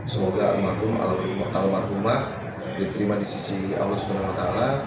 semoga almarhum almarhumah diterima di sisi allah swt